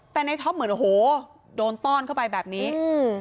แต่ในท็อปเหมือนโอ้โหโดนต้อนเข้าไปแบบนี้อืม